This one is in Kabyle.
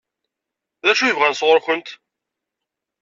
D acu i bɣan sɣur-kent?